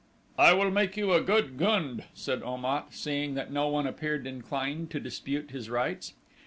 "I will make you a good gund," said Om at, seeing that no one appeared inclined to dispute his rights.